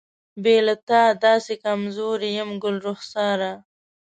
بې له تا داسې کمزوری یم ګلرخساره.